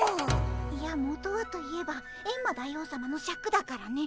いや元はと言えばエンマ大王さまのシャクだからね。